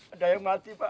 ada yang mati pak